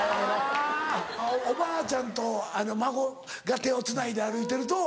おばあちゃんと孫が手をつないで歩いてると。